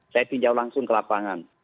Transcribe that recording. saya tinjau langsung ke lapangan